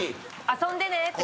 遊んでねって。